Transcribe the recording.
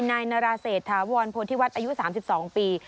นายนาราเศษฐาวรโพธิวัฒน์อายุ๓๒ปี